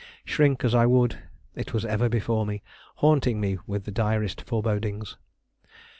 Shrink as I would, it was ever before me, haunting me with the direst forebodings.